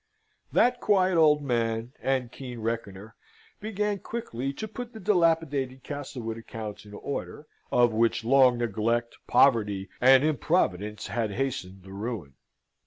That quiet old man, and keen reckoner, began quickly to put the dilapidated Castlewood accounts in order, of which long neglect, poverty, and improvidence had hastened the ruin.